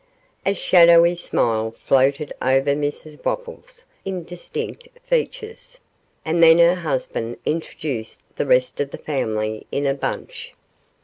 A shadowy smile floated over Mrs Wopples' indistinct features, and then her husband introduced the rest of the family in a bunch.